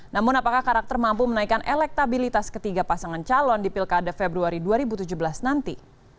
namun apakah karakter mampu menaikkan elektabilitas ketiga pasangan calon di pilkada februari dua ribu tujuh belas nanti